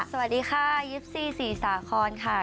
สวัสดีค่ะยิปซี่สีสาคอนค่ะ